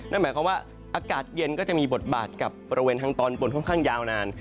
นั่นหมายความว่าอากาศเย็นก็จะมีบทบาทกับบริเวณทางตอนบนค่อนข้างยาวนาน